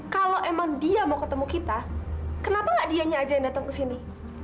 kalau emang dia mau ketemu kita kenapa gak dianya aja yang datang ke sini